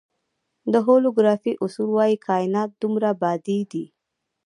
د هولوګرافیک اصول وایي کائنات دوه بعدی دی.